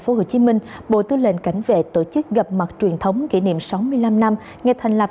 phố hồ chí minh bộ tư lệnh cảnh vệ tổ chức gặp mặt truyền thống kỷ niệm sáu mươi năm năm ngày thành lập